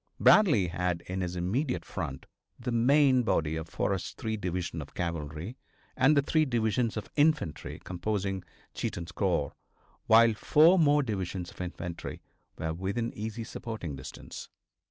Bradley had in his immediate front the main body of Forrest's three divisions of cavalry and the three divisions of infantry composing Cheatham's corps, while four more divisions of infantry were within easy supporting distance.